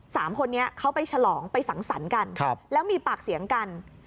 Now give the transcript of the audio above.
สามคนนี้เขาไปฉลองไปสังสรรค์กันครับแล้วมีปากเสียงกัน